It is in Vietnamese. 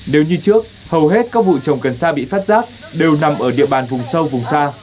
nếu như trước hầu hết các vụ trồng cần xa bị phát giáp đều nằm ở địa bàn vùng sâu